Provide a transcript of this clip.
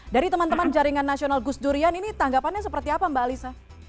dari teman teman jaringan nasional gus durian ini tanggapannya seperti apa mbak alisa